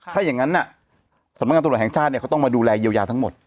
ถ้าอย่างนั้นสำนักงานตรวจแห่งชาติเขาต้องมาดูแลเยียวยาทั้งหมด